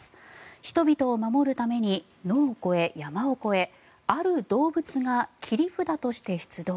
人々を守るために野を越え、山を越えある動物が切り札として出動。